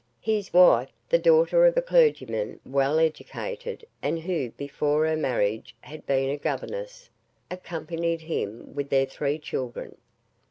His wife (the daughter of a clergyman, well educated, and who before her marriage had been a governess) accompanied him with their three children.